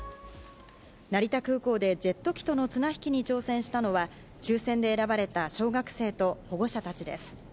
成田空港でジェット機との綱引きに挑戦したのは、抽せんで選ばれた小学生と保護者たちです。